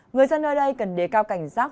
người dân ở đây cần đề cao cảnh giác